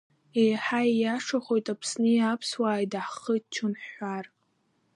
Еиҳа ииашахоит Аԥсни аԥсуааи даҳхыччон ҳҳәар.